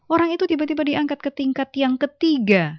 orang itu tiba tiba diangkat ke tingkat yang ketiga